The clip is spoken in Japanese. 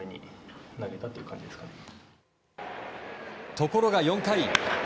ところが４回。